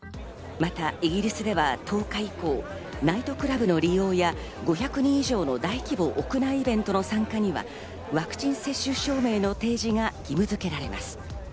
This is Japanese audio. またイギリスでは１０日以降、ナイトクラブの利用や、５００人以上の大規模屋内イベントの参加にはワクチン接種証明の提示が義務付けられます。